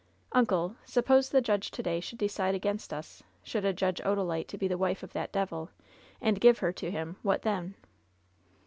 "Uncle, suppose the judge to day should decide against us — should adjudge Odalite to be the wife of that devil, and give her to him — ^what then